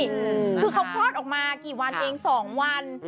คือเขาคลอดออกมากี่วันเอง๒วัน